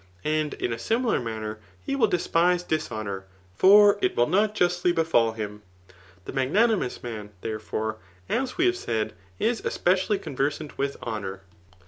And m a similar manner he will despise d!8«> honour ; for it will not justly befal him. The magnani mous man, th€arefore,.as we have said, is especially, con versant with honour.